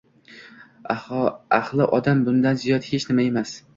Аhli odam bundan ziyod hech ne emas!